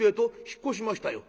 「引っ越しましたよ」。